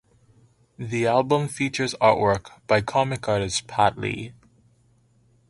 The album features artwork by comic artist Pat Lee.